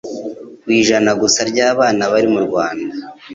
kw'ijana gusa by'abana bari mu Rwanda